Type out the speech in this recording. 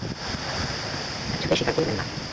আগামী রথের কথা বলেন নাই, একথা কিছুতেই স্বীকার করিলেন না।